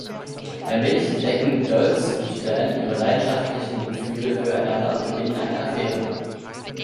Allmählich entdecken Dulce und Dan ihre leidenschaftlichen Gefühle füreinander und beginnen eine Affäre.